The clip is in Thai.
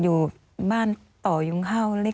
อยู่บ้านต่อยุงข้าวเล็ก